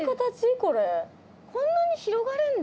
こんなに広がるんだ。